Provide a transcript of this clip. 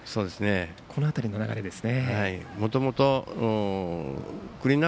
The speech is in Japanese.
この辺りの流れですね。